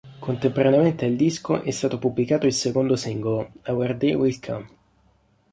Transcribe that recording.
Contemporaneamente al disco è stato pubblicato il secondo singolo, "Our Day Will Come".